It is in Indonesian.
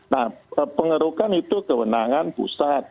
nah pengerukan itu kewenangan pusat